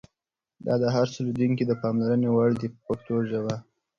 دا د هر لیدونکي د پاملرنې وړ دي په پښتو ژبه.